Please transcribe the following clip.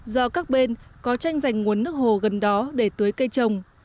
do các bên có tranh giành nguồn nước hồ gần đó để tưới cây trồng